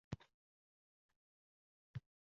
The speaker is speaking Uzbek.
Zero busiz har qanday tadbirni ob’ektiv ilmiy nazar emas